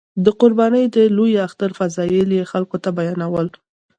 د قربانۍ د لوی اختر فضایل یې خلکو ته بیانول.